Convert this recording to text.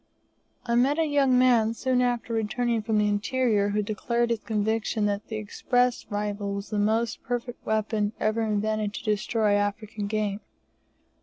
I met a young man soon after returning from the interior, who declared his conviction that the "Express," rifle was the most perfect weapon ever invented to destroy African game.